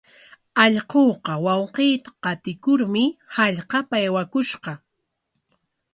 Allquuqa wawqiita qatikurmi hallqapa aywakushqa.